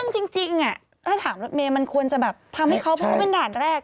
ซึ่งจริงจริงถ้าถามรถเมล์มันควรจะแบบทำให้เขาพูดว่าเป็นด่านแรก